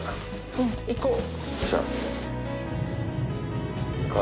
うん行こう。